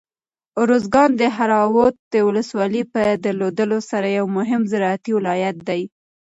ارزګان د دهراود ولسوالۍ په درلودلو سره یو مهم زراعتي ولایت دی.